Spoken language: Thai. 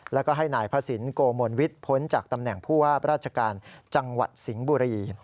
แล้วก็ให้นายพระศิลปโกมลวิทย์พ้นจากตำแหน่งผู้ว่าราชการจังหวัดสิงห์บุรี